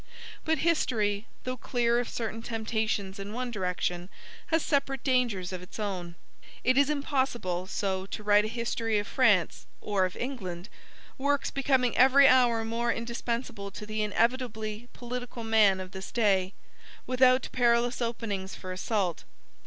But History, though clear of certain temptations in one direction, has separate dangers of its own. It is impossible so to write a History of France, or of England works becoming every hour more indispensable to the inevitably political man of this day without perilous openings for assault.